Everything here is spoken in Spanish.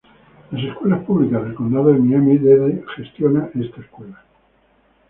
Las Escuelas Públicas del Condado de Miami-Dade gestiona esta escuela.